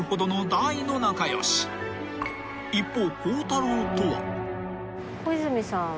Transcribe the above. ［一方］